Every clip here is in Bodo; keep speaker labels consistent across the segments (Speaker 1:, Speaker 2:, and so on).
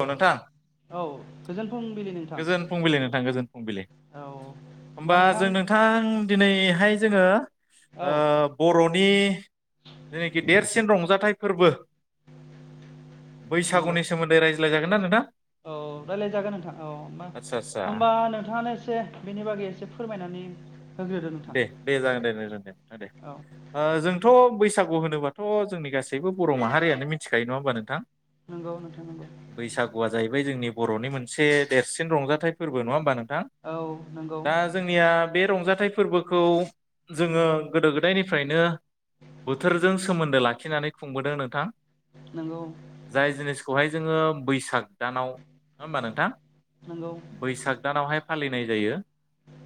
Speaker 1: औ नोंथां
Speaker 2: औ गोजोन फुंबिलि नोंथां
Speaker 1: गोजोन फुंबिलि नोंथां गोजोन फुंबिलि।
Speaker 2: औ
Speaker 1: होनबा जों नोंथां दिनैहाय जोङो
Speaker 2: औ
Speaker 1: बर'नि जेनाखि देरसिन रंजाथाइ फोरबो।
Speaker 2: नंगौ
Speaker 1: बैसागुनि सोमोन्दै रायज्लायजागोन ना नोंथां?
Speaker 2: औ रायज्लाय जागोन नोंथां औ होमबा।
Speaker 1: आदसा आदसा
Speaker 2: होमबा नोंथाङानो एसे बेनि बागै एसे फोरमायनानै होगोन।
Speaker 1: दे दे जागोन दे जागोन दे नोंथ दे
Speaker 2: औ
Speaker 1: ओ जोंथ' बैसागु। खु होनोबाथ' जोंनि गासैबो बर' माहारियानो मिथिखायो नङा होमबा नोंथां।?
Speaker 2: नंगौ नोंथां नंगौ
Speaker 1: बैसागुआ जाहैबाय जोंनि। बर'नि मोनसे देरसिन रंजाथाइ फोरबो नङा होमबा नों? नोंथां
Speaker 2: औ नंगौ
Speaker 1: दा जोंनिया बे रंजा फोरबोखौ जोङो गोदो गोदायनिफ्रायनो बोथोरजों सोमोन्दो लाखिनानै खुंबोदों नोंथां।
Speaker 2: नंगौ
Speaker 1: जाय जिनिसखौहाय जोङो बैसाग। दानाव नङा होमबा नोंथां
Speaker 2: नंगौ
Speaker 1: बैसाग दानावहाय फालियो। फालिनाय जायो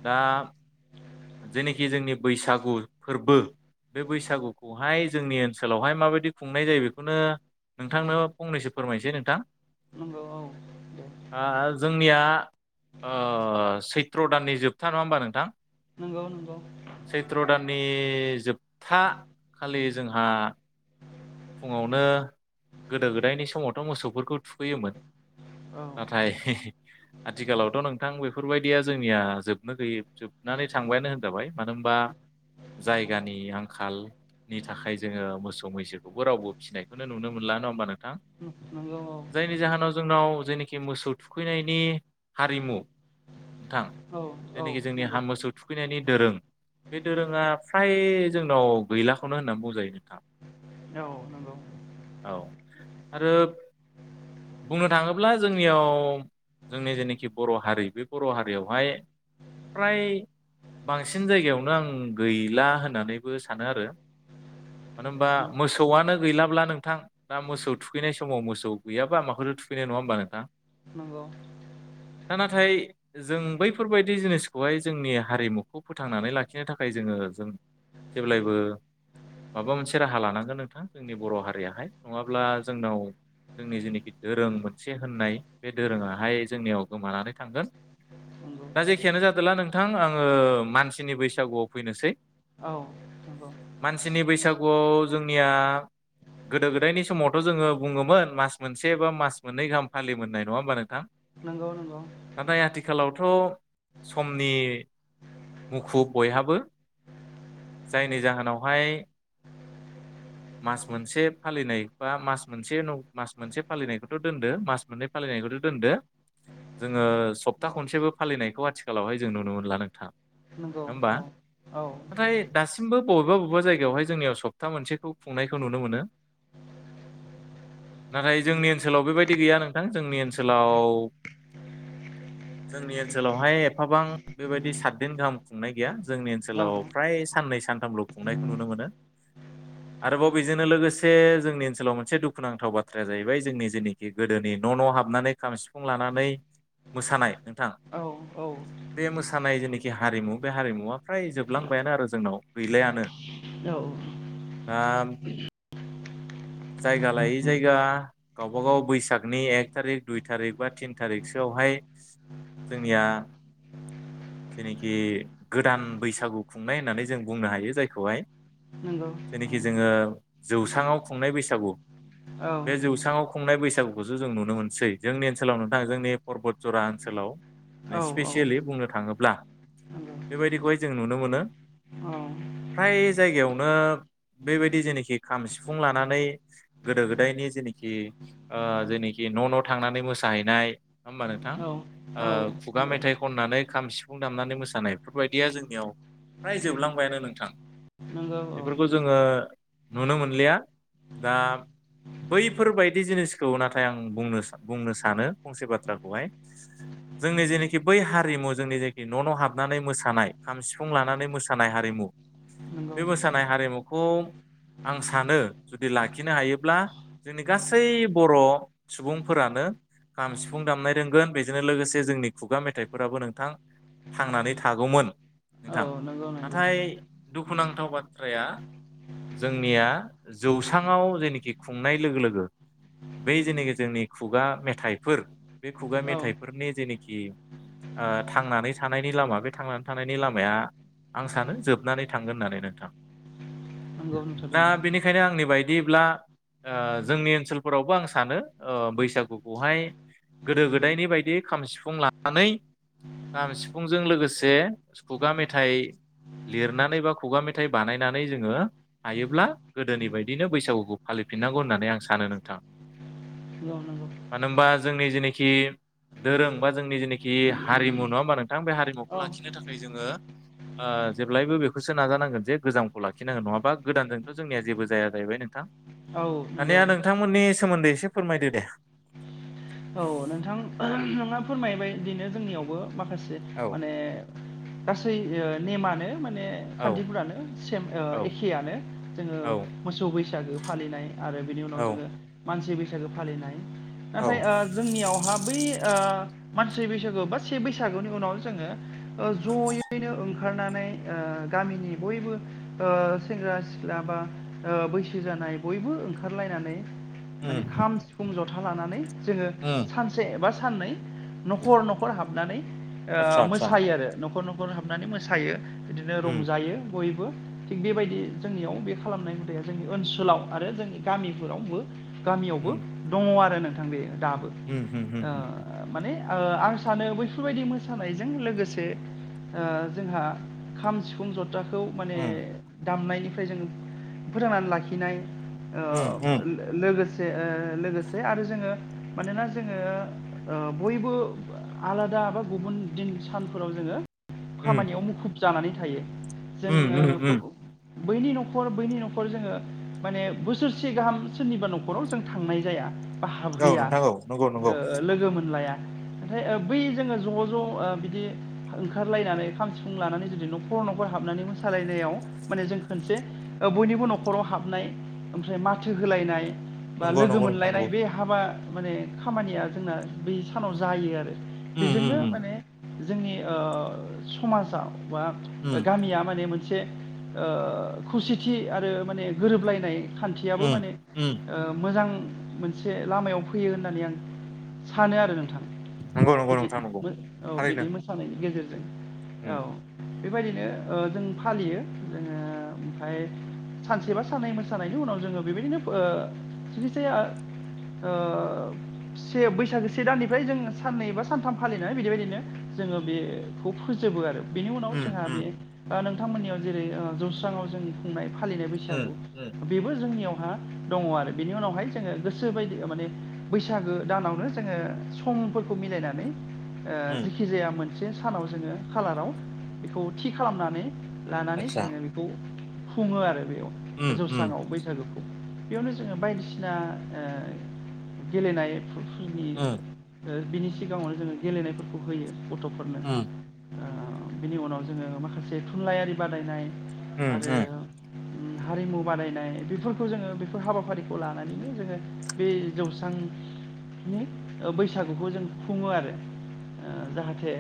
Speaker 1: दा जेनोखि जोंनि बैसागु फोरबो। बे बैसागुखौहाय जोंनि ओनसोलावहाय माबायदि खुंनाय जायो बेखौनो। नोंथांनो फंनैसो फोरमायनोसै नोंथां
Speaker 2: नंगौ औ दे
Speaker 1: ओ जोंनिया। ओ सैथ्र' दाननि जोबथा नङा होमबा नोंथां।
Speaker 2: नंगौ नंगौ
Speaker 1: सैथ्र दाननि खि जोबथा खालि जोंहा फुङावनो गोदो गोदायनि समावथ' मोसौफोरखौ थुखैयोमोन।
Speaker 2: औ
Speaker 1: नाथाय आथिखालावथ' नोंथां बेफोरबायदिया जोंनिया जोबनो गैयै जोबना। नानै थांबायानो होनजाबाय मानो होनबा जायगानि आंखालनि थाखाय जोङो मोसौ मैसो बेवबो रावबो फिसिनायखौनो नुनो मोनला नङा होमबा नोंथां।
Speaker 2: नंगौ औ
Speaker 1: जायनि जाहोनाव जोंनाव जेनोखि मोसौ थुखैनायनि हारिमु नोंथां
Speaker 2: औ औ
Speaker 1: जेनाखि जोंनि हा
Speaker 2: नंगौ
Speaker 1: मोसौ थुखैनायनि दोरों। बे दोरोङा फ्राय जोंनाव गैलाखौनो होननानै बुंजायो नोंथां।
Speaker 2: औ नंगौ।
Speaker 1: औ आरो बुंनो थाङोब्ला जोंनियाव। जोंनि जेनोखि बर' हारि बे बर' हारियावहाय फ्राय। बांसिन जायगायावनो आं गैला होननानैबो सानो आरो मानो होनबा।
Speaker 2: नंगौ
Speaker 1: मोसौआनो गैलाब्ला नोंथां दा मोसौ थुखैनाय समाव मोसौ गैयाबा माखौथो थुखैनो नङा होमबा नोंथां।?
Speaker 2: नंगौ।
Speaker 1: दा नाथाय जों बैफोरबायदि जिनिसखौहाय जोंनि हारिमुखौ फोथांनानै लाखिनो थाखाय जोङो ओ जों जेब्लायबो माबा मोनसे राहा लानांगोन। हागोन नोंथां जोंनि बर' हारियाहाय नङाब्ला जोंनाव। जोंनि जेनाखि दोरों मोनसे होननाय बे दोरोङाहाय जोंनियाव गोमानानै थांगोन‌।
Speaker 2: नंगौ
Speaker 1: दा जेखियानो जादोला नोंथां आङो मानसिनि बैसागुआव फैनोसै।
Speaker 2: औ नंगौ।
Speaker 1: आव जोंनिया। गोदो गोदायनि समावथ' जोङो बुङोमोन मास मोनसे बा मास मोननै गाहाम फालि मोननाय नङा होमबा नोंथां।
Speaker 2: नंगौ नंगौ।
Speaker 1: नाथाय आथिखालावथ' समनि मुखुब बयहाबो। जायनि जाहोनावहाय मास मोनसे फालिनाय बा मास मोनसे न मास मोनसे फालिनायखौथ' दोनदो मास मोननै फालिनायखौथ' दोनदो जोङो सप्ता
Speaker 2: नंगौ
Speaker 1: खनसेबो फालिनायखौ आथिखालावहाय जों नुनो मोनला नोंथां।
Speaker 2: नंगौ
Speaker 1: नङा होमबा
Speaker 2: औ। औ
Speaker 1: नाथाय दासिमबो बबेबा बबेबा जायगायावहाय जोंनियाव सब बथा मोनसेखौ खुंनायखौ नुनो मोनो। नाथाय
Speaker 2: औ
Speaker 1: जोंनि ओनसोलाव बेबायदि गैया नोंथां जोंनि ओनसोलाव जोंनि ओनसोलावहाय एफाबां बेबायदि साददिन गाहाम खुंनाय गैया जोंनि ओनसोलाव फ्राय साननै सानथामल' खुंनायखौ नुनो मोनो आरोबाव बेजोंनो लोगोसे जोंनि ओनसोलाव मोनसे दुखुनांथाव बाथ्राया जाहैबाय जोंनि जेखि गोदोनि न' न' हाबनानै खाम सिफुं लानानै मोसानाय। नोंथां
Speaker 2: औ औ
Speaker 1: बे मोसानाय जेनाखि हारिमु बे हारिमुवा फ्राय जोबलांबायानो आरो जोंनाव गैलायानो।
Speaker 2: औ
Speaker 1: [unintelligible]
Speaker 2: [inaudible]
Speaker 1: जायगा लायै जायगा गावबागाव बैसागनि एक थारिक दुइ थारिक बा थिन थारिखसोआवहाय जोंनिया जेनिखि गोदान बैसागु खुंनाय होननानै जों बुंनो हायो जायखौहाय।
Speaker 2: नंगौ
Speaker 1: जेनिखि जोङो जौस्राङाव खुंनाय बैसागु
Speaker 2: औ नंगौ औ
Speaker 1: बे जौस्राङाव खुंनाय बैसागुखौसो जों नुनो मोनसै जोंनि ओनसोलाव नोंथांङा जोंनि परबत जरा ओनसोलाव।
Speaker 2: औ
Speaker 1: सिफेसेलि बुंनो थांङोब्ल बे बाइदिखौ जों नुनों मोनो फ्राइ जाइगायाव नो बेबायदि जेनाखि खाम सिफुं लानानै गोदो गोदायनि जेनाखि ओ जेनिखि न' न' थांनानै मोसाहैनाय नंङा होनबा नोंथां
Speaker 2: औ नंगौ औ नंगौ औ
Speaker 1: ओ खुगा मेथाइ खननानै खाम सिफुं दामनानै मोसानाय बेफोरबायदिया जोंनियाव फ्राय जोबलांबायानो नोंथां
Speaker 2: नंगौ
Speaker 1: बेफोरखौ जोङो नुनो मोनलिया दा बैफोरबायायदि जिनिसखौ नाथाय आं बुंनो बुंनो सानो फंसे बाथ्राखौहाय जोंनि जेनोखि बै हारिमु जोंनि जेखि न' न' हाबनानै मोसानाय खाम सिफुं लानानै मोसानाय हारिमु
Speaker 2: [inaudible]
Speaker 1: बे मोसानाय हारिमुखौ आं सानो जुदि लाखिनो हायोब्ला जोंनि गासै बर' सुबुंफोरानो खाम सिफुं दामनाय रोंगोन बेजोंनो लोगोसे जोंनि खुगा मेथाइफोराबो नोंथां थांनानै थागौमोन नोंथां नाथाय दु नांथाव बाथ्राया जोंनिया जौसांङाव जेनोखि खुंनाय लोगो लोगो बै जेनेखि जोंनि खुगा मेथाइफोर बे खुगा मेथाइफोरनि जेनेखि थांनानै थानायनि लामा बे थांनानै थानायनि लामाया आं सानो जोबनानै थांगोन होननानै नोंथां
Speaker 2: नंगौ औ नंगौ नोंथां नंगौ
Speaker 1: दा बेनिखायनो आंनि बायदिब्ला ओ जोंनि ओनसोलफोरावबो आं सानो ओ बैसागुखौहाय गोदो गोदायनि बायदि खाम सिफुं लानानै खाम सिफुंजों लोगोसे खुगा मेथाइ लिरनानै बा खुगा मे थाय बानायनानै जोङो हायोब्ला गोदोनि बायदिनो बैसागुखौ फालिफिननांगौ होननानै आं सानो नोंथां।
Speaker 2: उ [inaudible]
Speaker 1: मानो होनबा जोंनि जेनेखि धोरों बा जोंनि जेनेखि हारिमु नङा होनबा नों थां बे
Speaker 2: औ
Speaker 1: हारिमुखौ लाखिनो थाखाय जोङो ओ जेब्लायबो बेखौसो नाजानांगोन। जे गोजामखौ लाखिनांगोन नङाबा गोदानजोंथ' जोंनिया जेबो जाया जाहैबाय नोंथां
Speaker 2: औ नंगौ
Speaker 1: दानिया नोंथांमोननि सोमोन्दै एसे फोरमायदो दे?
Speaker 2: औ नोंथां ओहो नोंना फोरमायबाय बिदिनो जोंनियावबो माखासे
Speaker 1: औ
Speaker 2: माने गासै नेमानो। माने
Speaker 1: औ
Speaker 2: खान्थिफोरानो सेम
Speaker 1: औ
Speaker 2: एखेयानो जोङो
Speaker 1: औ
Speaker 2: मोसौ बैसागो फालिनाय आरो बिनि उनाव
Speaker 1: औ
Speaker 2: जोङो मानसि बैसागो फालिनाइ नाथाय
Speaker 1: औ
Speaker 2: जोंनियावहा बै ओ मानसि बैसागु बा से बैसागुनि उनावनो जोङो जयैनो ओंखारनानै ओ गामिनि बयबो ओ सेंग्रा सिख्ला बा ओ बै सो जानाय बयबो ओंखारलायनानै।
Speaker 1: उम
Speaker 2: माने खाम सिफुं जथा लानानै जोङो
Speaker 1: उम
Speaker 2: सानसे एबा साननै न'खर न'खर हाबनानै ओ
Speaker 1: आतसा आतसा
Speaker 2: मोसायो आरो न'खर न'खर हाबनानै मोसायो। बिदिनो
Speaker 1: उम
Speaker 2: रंजायो बय बो थिग बेबायदि जोंनियाव बे खालामनाय हुदाया जोंनि ओनसोलाव आरो जोंनि गामिफोरावबो गामियावबो
Speaker 1: उम
Speaker 2: दङ' आरो नोंथां बे दाबो
Speaker 1: उम उम उम
Speaker 2: ओ
Speaker 1: उम
Speaker 2: माने ओ आं सानो बैफोरबायदि मोसानायजों लोगोसे ओ जोंहा खाम सिफुं ज थाखौ माने
Speaker 1: उम
Speaker 2: दामनायनिफ्राय जों फोथांनानै लाखिनाय। ओ
Speaker 1: उम उम
Speaker 2: लो लोगोसे ओ लोगोसे आरो जोङो मानोना जोङो ओ बयबो आलादा बा गुबुन दिन सानफोराव जोङो खामानियाव मुखुब जानानै थायो
Speaker 1: उम
Speaker 2: जोङो
Speaker 1: उम
Speaker 2: बो
Speaker 1: उम
Speaker 2: बैनि न'खर बैनि न'खर जोङो माने बोसोरसे गाहाम सोरनिबा न'खराव जों थांनाय जाया बा
Speaker 1: औ
Speaker 2: हाबहैया
Speaker 1: नोंथां औ नंगौ नंगौ
Speaker 2: ओ लोगो मोनलाया ओमफाय ओ बै जोङो ज' ज'ओ बिदि ओंखारलायनानै खाम सिफुं लानानै जुदि न'खर न'खर हाब होननानै मोसालायनायाव माने जों खोनसे ओ बयनिबो न'खराव हाबनाय ओमफ्राय माथो होलायनाय, बा
Speaker 1: नंगौ
Speaker 2: लोगो
Speaker 1: नंगौ नोंथां
Speaker 2: मोनलायनाय
Speaker 1: नंगौ
Speaker 2: बे आ माने खामानिया जोंना बै सानाव जायो आरो
Speaker 1: उम
Speaker 2: बेजोंनो
Speaker 1: उम उम
Speaker 2: माने जोंनि ओ समाजा बा
Speaker 1: उम
Speaker 2: गामिया माने मोन से ओ खौसेथि आरो माने गोरोबलायनाय खान्थियाबो माने
Speaker 1: उम उम
Speaker 2: ओ मोजां। से लामायाव फैयो होननानै आं सानो आरो नोंथां।
Speaker 1: नंगौ नंगौ
Speaker 2: बिदि
Speaker 1: नोंथां नंगौ
Speaker 2: मोन औ
Speaker 1: थारैनो
Speaker 2: बिदि मोसानायनि गेजेरजों
Speaker 1: उम
Speaker 2: औ। बेबायदिनो ओ जों फालियो जोङो ओमफाय सानसे बा साननै मोसानायनि उनाव जोङो बेबायदिनो ओ जिखि जाया ओ से बैसागो से दाननिफ्राय जों साननै बा सानथाम फालिनानै बिदिबायदिनो जोङो बेखौ फोजोबो आरो। बेनि उनाव
Speaker 1: उम
Speaker 2: जोंहा बे
Speaker 1: उम
Speaker 2: ओ नोंथांमोननियाव जेरै जौस्राङाव जों खुंनाय फालिनाय
Speaker 1: उम
Speaker 2: बैसागु
Speaker 1: उम
Speaker 2: बेबो जोंनियावहा दङ' आरो बेनि उनावहाय जोङो गोसो बायदि माने बैसागो दानावनो जोङो समफोरखौ मिलायनानै ओ
Speaker 1: उम
Speaker 2: जेखि जाया मोनसे सानाव जोङो खालाराव बेखौ थि खालामनानै लानानै
Speaker 1: आतसा
Speaker 2: जोङो बेखौ खुङो आरो बेयाव
Speaker 1: उम उम
Speaker 2: जौस्राङाव बैसागुखौ बेयावनो जोङो बायदिसिना ओ गेलेनाय
Speaker 1: ओ
Speaker 2: ओ बिनि सिगाङावनो जोङो गेलेनायफोरखौ होयो गथ'फोरनो
Speaker 1: उम
Speaker 2: ओ बिनि उनाव जोङो माखासे थुनलाइयारि बादायनाय
Speaker 1: उम
Speaker 2: आरो
Speaker 1: उम
Speaker 2: उम हारिमु बादायनाय बेफोरखौ जोङो बेफोर हाबाफारिखौ लानानैनो जोङो बे जौसांनि बैसागुखौ जों खुङो आरो। ओ जाहाथे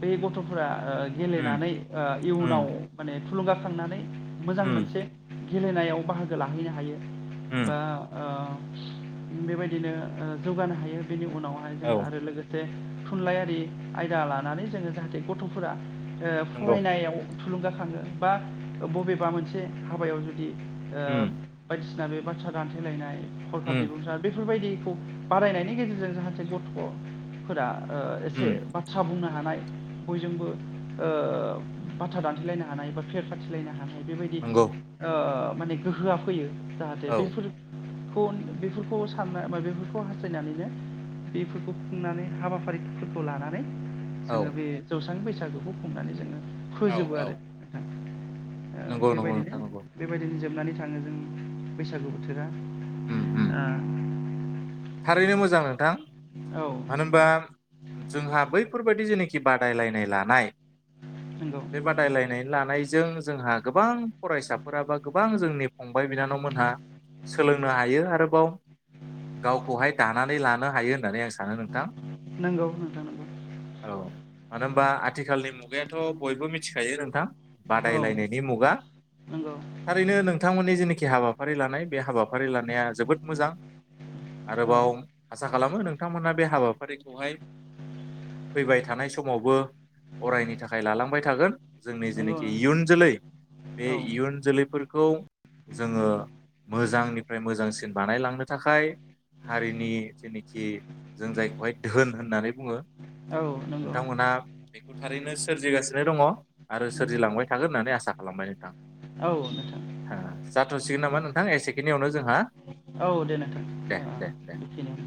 Speaker 2: बे गथ'फोरा ओ
Speaker 1: उम
Speaker 2: गेलेनानै ओ इयुनाव
Speaker 1: उम
Speaker 2: माने थुलुंगाखांनानै मोजां
Speaker 1: उम
Speaker 2: मोनसे गेलेनायाव बाहागो लाहैनो हायो बा
Speaker 1: उम
Speaker 2: ओ बेबायदिनो ओ जौगानो हायो बेनि उनावहाय जों
Speaker 1: औ
Speaker 2: आरो लोगो बे थुनलाइयारि आयदा लानानै जोङो जाहाथे गथ'फोरा ओ
Speaker 1: नंगौ
Speaker 2: फरायनायाव थुलुंगाखाङो बा बबेबा मोनसे हाबायाव जुदि ओ
Speaker 1: उम
Speaker 2: बायदिसिना बे बाथ्रा दानथेलायनाय हरखाब
Speaker 1: उम
Speaker 2: बिबुंसा बेफोरबायदि बारायनायनि गेजेरजों जाहाथे गथ'फोरा ओ एसे
Speaker 1: उम
Speaker 2: बाथ्रा बुंना हानाय बयजोंबो ओ बाथा दानथिलायनो हानाय बा फेर खाथिलायनो हानाय [unintelligible] बेबायदि
Speaker 1: नंगौ
Speaker 2: माने ओ गोहोआ फैयो जाहाथे
Speaker 1: औ
Speaker 2: बेफोर [unintelligible] बेफोरखौ सानना बा बेफोरखौ हास्थायनानैनो बेफोरखौ खुंनानै हाबाफारिफोरखौ लानानै
Speaker 1: औ
Speaker 2: जोङो बे जौस्रां बैसागोखौ खुंनानै जोङो
Speaker 1: औ
Speaker 2: फोजोबो
Speaker 1: औ
Speaker 2: आरो [unintelligible] ओ
Speaker 1: नंगौ नंगौ
Speaker 2: बेबायदिनो
Speaker 1: नोंथां नंगौ
Speaker 2: बेबायदि जोबनानै थाङो जों बैसागु बोथोरा
Speaker 1: उम उम
Speaker 2: ओ
Speaker 1: थारैनो मोजां नोंथां
Speaker 2: औ
Speaker 1: मानो होमबा जोंहा बैफोरबायाददि जेनोखि बा रायलायनाय लानाय
Speaker 2: [inaudible]
Speaker 1: बे बादायलायनाय लानायजों जोंहा गोबां फरायसाफोरा बा गोबां जोंनि फंबाय बिनानाव मोना सोलोंनो हायो आरोबाव हाय दानानै लानो हायो होननानै आं सानो नोंथां
Speaker 2: नोंगौ नोंथां
Speaker 1: औ मानो होमबा आथिखालनि मुगायाथ' बयबो मिथिखायो नोंथां
Speaker 2: औ
Speaker 1: बादायलायनायनि मुगा
Speaker 2: नंगौ
Speaker 1: थारैनो नोंथांमोननि जेनाखि हाबाफारि लानाय बे हाबा फारि लानाया जोबोद मोजां
Speaker 2: औ
Speaker 1: आरोबाव आसा खालामो नोंथांमोनहा बे हाबाफारिखौहाय फैबाय थानाय समावबो अरायनि थाखाय लालांबाय थागोन जोंनि
Speaker 2: नंगौ
Speaker 1: जेनोखि
Speaker 2: नोंथां
Speaker 1: इयुन जोलै बे
Speaker 2: औ
Speaker 1: इयुन जोलैफोरखौ जोङो मोजांनिफ्राय मोजांसिन बानायलांनो थाखाय हारिनि जेनोखि जों जायखौहाय धोन होननानै बुङो
Speaker 2: औ नंगौ
Speaker 1: नोंथांमोनहा बेखौ थारैनो सोरजिगासिनो दङ आरो
Speaker 2: नंगौ
Speaker 1: सोरजिलांबाय थागोन होननानै आसा खालामबाय नोंथां
Speaker 2: औ नोंथां
Speaker 1: जाथ'सिगोन नामा नोंथां एसेखेनियावनो जोंहा
Speaker 2: औ दे नोंथां
Speaker 1: दे दे दे
Speaker 2: बेखिनियानो